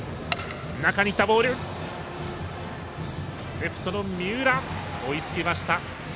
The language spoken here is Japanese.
レフトの三浦、追いつきました。